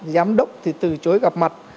giám đốc thì từ chối gặp mặt